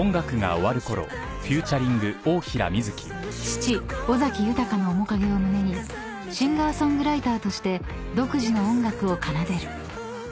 ［父尾崎豊の面影を胸にシンガー・ソングライターとして独自の音楽を奏でる］